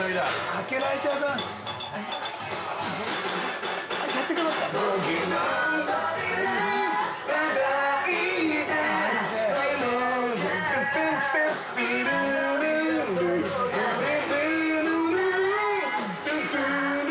◆開けられちゃうな。